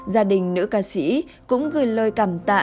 gia đình nữ ca sĩ cũng gửi lời cảm tạ